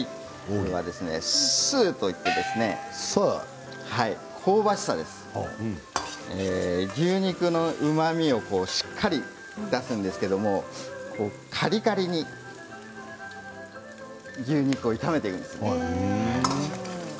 酥スーといって牛肉のうまみをしっかり出すんですけどもカリカリに牛肉を炒めていくんですね。